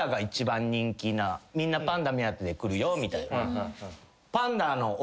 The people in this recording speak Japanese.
みんなパンダ目当てで来るよみたいな。